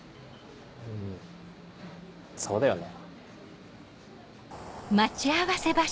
うんそうだよね。